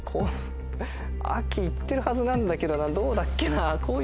秋行ってるはずなんだけどなどうだっけな？